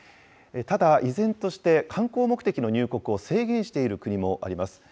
ただ依然として、観光目的の入国を制限している国もあります。